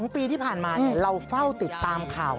๒ปีที่ผ่านมาเราเฝ้าติดตามข่าว